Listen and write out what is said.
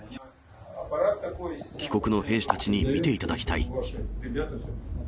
貴国の兵士たちに見ていただきたい。